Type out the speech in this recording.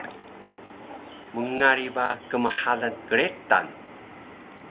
mngari ba kmxalan kretan